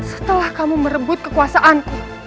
setelah kamu merebut kekuasaanku